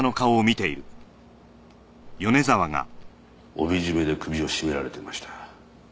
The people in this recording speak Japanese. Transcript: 帯締めで首を絞められていました。